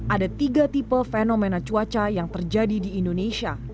ada tiga tipe fenomena cuaca yang terjadi di indonesia